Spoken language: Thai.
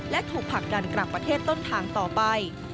และถูกผลักดันกลับประเทศต้นทางต่อไป